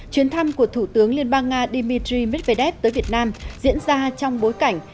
chuyến thăm của thủ tướng liên bang nga dmitry medvedev tới việt nam diễn ra trong bối cảnh